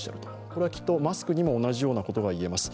これはきっとマスクにも同じようなことがいえます。